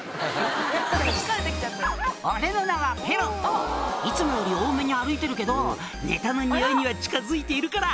「俺の名はペロ」「いつもより多めに歩いてるけどネタのにおいには近づいているから！」